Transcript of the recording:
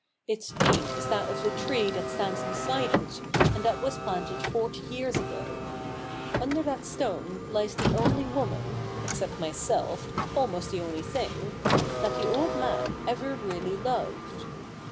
Its date is that of the tree that stands beside it, and that was planted forty years ago. Under that stone lies the only woman — except myself, almost the only thing — that the old man ever really loved.